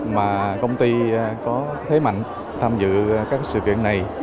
mà công ty có thế mạnh tham dự các sự kiện này